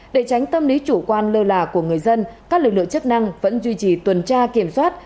để tránh tâm lý chủ quan lơ là của người dân các lực lượng chức năng vẫn duy trì tuần tra kiểm soát